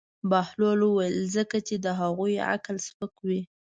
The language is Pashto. بهلول وویل: ځکه چې د هغوی عقل سپک وي.